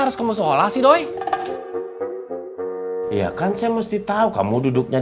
saya masuk dulunya